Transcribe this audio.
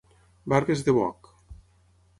Barbes de boc.